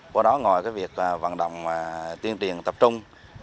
của đó ngồi việc vận động tuyên truyền tập trung